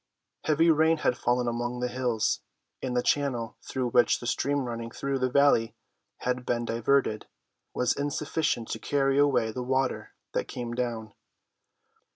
Heavy rain had fallen among the hills, and the channel, through which the stream running through the valley had been diverted, was insufficient to carry away the water that came down.